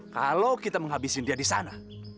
kalau kita menghabisin dia disana